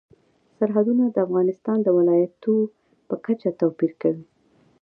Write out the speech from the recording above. سرحدونه د افغانستان د ولایاتو په کچه توپیر لري.